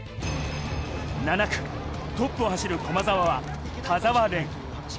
７区、トップを走る駒澤は田澤廉。